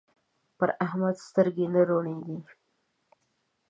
پر احمد سترګې نه روڼېږي.